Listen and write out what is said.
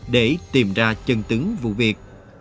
để tìm ra chân tứng vụ việc